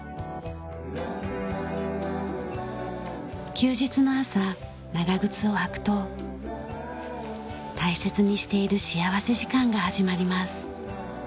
休日の朝長靴を履くと大切にしている幸福時間が始まります。